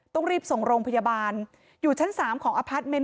ต้องรีบส่งโรงพยาบาลอยู่ชั้น๓ของอพาร์ทเมนต